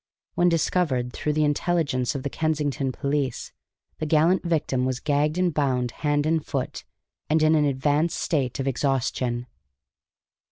When discovered through the intelligence of the Kensington police, the gallant victim was gagged and bound hand and foot, and in an advanced stage of exhaustion.